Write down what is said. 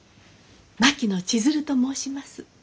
槙野千鶴と申します。